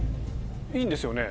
いいんですよね？